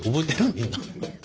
みんな。